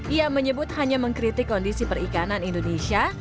ia menyebut hanya mengkritik kondisi perikanan indonesia